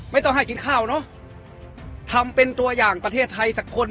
ไม่ต้องให้กินข้าวเนอะทำเป็นตัวอย่างประเทศไทยสักคน